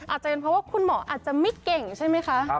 อาจจะเป็นเพราะว่าคุณหมออาจจะไม่เก่งใช่ไหมคะ